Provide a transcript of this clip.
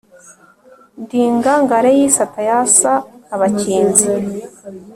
Ndi ingangare y’isata yasa abakinzi,